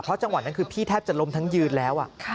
จังหวะนั้นคือพี่แทบจะล้มทั้งยืนแล้ว